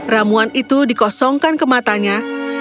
ramuan itu dikosongkan ke matanya